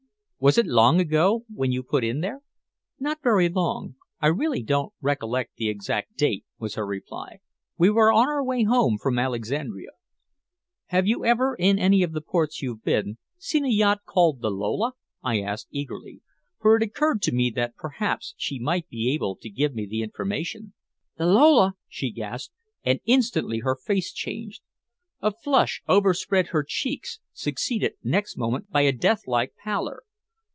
Was it long ago when you put in there?" "Not very long. I really don't recollect the exact date," was her reply. "We were on our way home from Alexandria." "Have you ever, in any of the ports you've been, seen a yacht called the Lola?" I asked eagerly, for it occurred to me that perhaps she might be able to give me information. "The Lola!" she gasped, and instantly her face changed. A flush overspread her cheeks, succeeded next moment by a death like pallor.